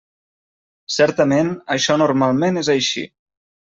Certament això normalment és així.